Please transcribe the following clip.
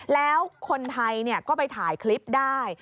แล้วคนไทยก็ไปถ่ายคลิปได้